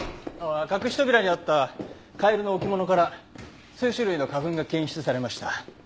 隠し扉にあったカエルの置物から数種類の花粉が検出されました。